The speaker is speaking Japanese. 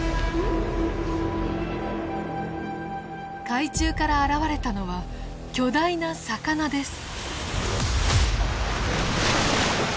海中から現れたのは巨大な魚です。